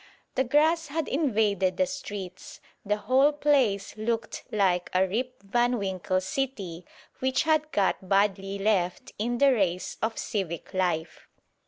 The grass had invaded the streets; the whole place looked like a Rip Van Winkle city which had got badly "left" in the race of civic life.